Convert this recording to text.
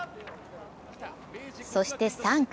そして３区。